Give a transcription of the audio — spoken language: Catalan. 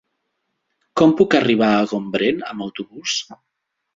Com puc arribar a Gombrèn amb autobús?